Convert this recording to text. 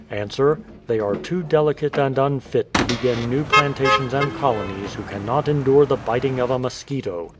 Ans: They are too delicate and unfit to begin new plantations and colonies who cannot endure the biting of a mosquito.